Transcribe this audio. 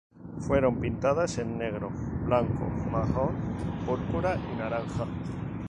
Fueron pintadas en negro, blanco, marrón, púrpura y naranja.